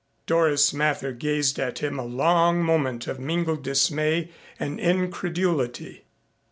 Doris Mather gazed at him a long moment of mingled dismay and incredulity.